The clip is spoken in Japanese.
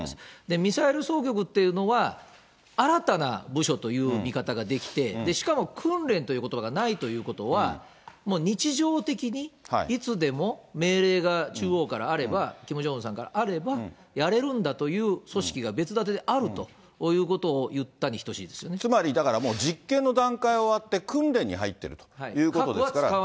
ミサイル総局というのは、新たな部署という見方ができて、しかも訓練ということばがないということは、日常的にいつでも、命令が中央からあれば、キム・ジョンウンさんからあれば、やれるんだという組織が別立てであるということを言ったに等しいつまりだからもう、実験の段階は終わって、訓練に入ってるということですから。